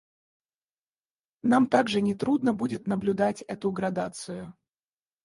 Нам также нетрудно будет наблюдать эту градацию.